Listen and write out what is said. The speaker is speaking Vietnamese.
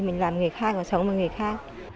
mình làm người khác sống với người khác